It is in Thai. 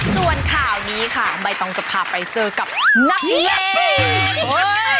ส่วนข่าวนี้ค่ะใบตองจะพาไปเจอกับนัก